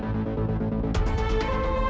aku mau mencari uang buat bayar tebusan